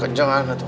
kenceng aneh tuh